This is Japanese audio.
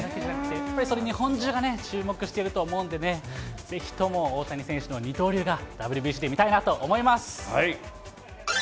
それを日本中が注目していると思うんでね、ぜひとも大谷選手の二刀流がＷＢＣで見たいなと思います。